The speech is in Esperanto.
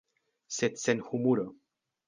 Sed sen humuro.